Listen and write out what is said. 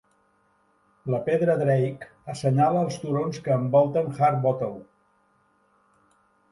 La Pedra Drake assenyala els turons que envolten Harbottle.